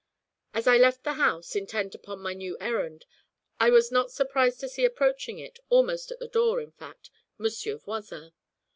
As I left the house, intent upon my new errand, I was not surprised to see approaching it, almost at the door, in fact, Monsieur Voisin.